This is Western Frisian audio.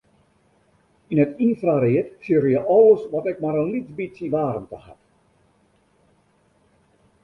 Yn it ynfraread sjogge je alles wat ek mar in lyts bytsje waarmte hat.